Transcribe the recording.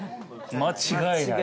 間違いない！